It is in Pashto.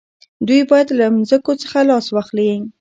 دوی باید له ځمکو څخه لاس واخلي.